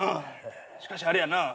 しかしあれやな。